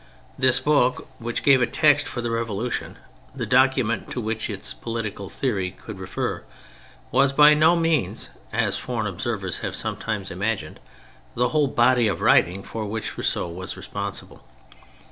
This book which gave a text for the Revolution, the document to which its political theory could refer, was by no means (as foreign observers have sometimes imagined) the whole body of writing for which Rousseau was responsible.